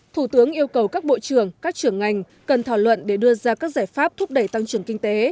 thủ tướng yêu cầu các bộ trưởng các trưởng ngành cần thảo luận để đưa ra các giải pháp thúc đẩy tăng trưởng kinh tế